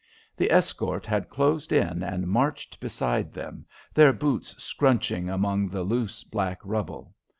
The escort had closed in, and marched beside them, their boots scrunching among the loose black rubble.